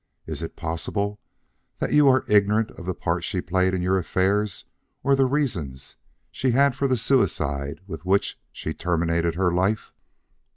Is it possible that you are ignorant of the part she played in your affairs or the reasons she had for the suicide with which she terminated her life?"